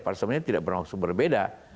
padahal sebenarnya tidak bermaksud berbeda